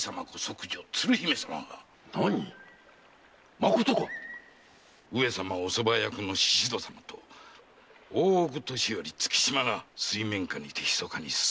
何まことか⁉上様御側役の宍戸様と大奥年寄・月島が水面下にてひそかに進めている由。